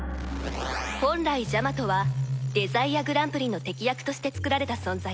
本来ジャマトはデザイアグランプリの敵役としてつくられた存在です